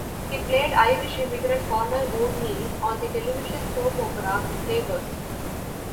He played Irish immigrant Connor O'Neill on the television soap opera "Neighbours".